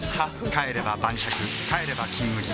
帰れば晩酌帰れば「金麦」